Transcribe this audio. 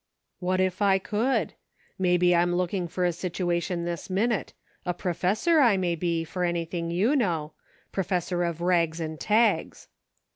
•'What it i cc^jld .•* Maybe I'm looking for a situation tnis minucc ■ a professor I may be, for anything you know ; proiej)SOi :* rags and tags."